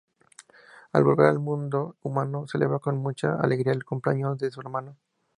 Al volver al mundo humano celebra con mucha alegría el cumpleaños de su hermano.